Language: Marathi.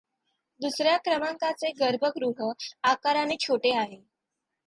दुसर् या क्रमांकाचे गर्भगृह आकाराने छोटे आहे.